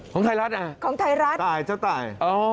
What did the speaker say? ของไทยรัฐตายเจ้าตาย